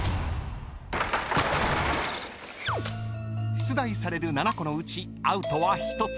［出題される７個のうちアウトは１つ］